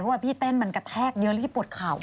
ว่าพี่เต้นมันกระแทกเยอะแล้วพี่ปวดเข่า